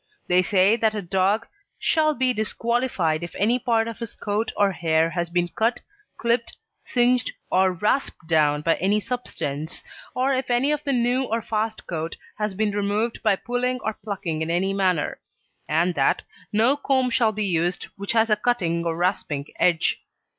They say that a dog "shall be disqualified if any part of his coat or hair has been cut, clipped, singed, or rasped down by any substance, or if any of the new or fast coat has been removed by pulling or plucking in any manner," and that "no comb shall be used which has a cutting or rasping edge."